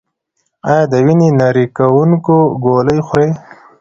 ایا د وینې نری کوونکې ګولۍ خورئ؟